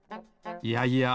いやいや。